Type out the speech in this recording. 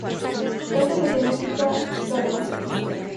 Trata la temática sadomasoquista.